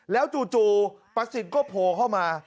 แล้วจู่ปศิษฐ์ก็โผล่เข้ามา